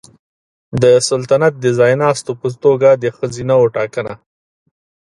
د سلطنت د ځایناستو په توګه د ښځینه وو ټاکنه